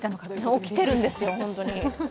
起きているんですよ、本当に。